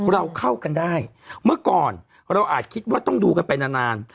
เราเข้ากันได้เมื่อก่อนเราอาจคิดว่าต้องดูกันไปนาน